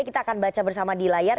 kita akan baca bersama di layar